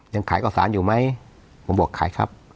ยังขายก่อนส่านอยู่ไหมบอกขายครับ